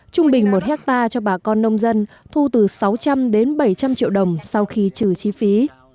trung bình một hectare cho bà con nông dân thu từ sáu trăm linh đến bảy trăm linh triệu đồng sau khi trừ chi phí